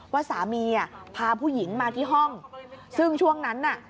ว่าสามีอ่ะพาผู้หญิงมาที่ห้องซึ่งช่วงนั้นน่ะ